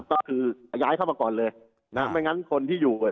ก็คือย้ายเข้ามาก่อนเลยนะไม่งั้นคนที่อยู่กับ